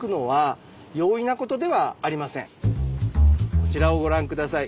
こちらをご覧下さい。